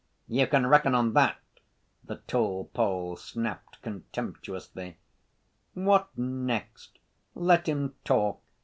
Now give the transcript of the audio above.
"You can reckon on that," the tall Pole snapped contemptuously. "What next! Let him talk!